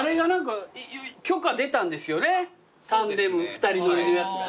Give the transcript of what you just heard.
２人乗りのやつがね。